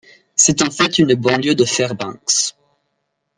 C'est en fait une banlieue de Fairbanks.